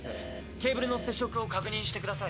ケーブルの接触を確認してください。